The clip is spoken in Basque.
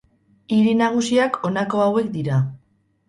Hiri nagusiak honako hauek dira.